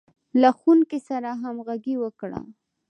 له ښوونکي سره همغږي وکړه.